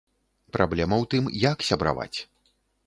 Праблема ў тым, як сябраваць.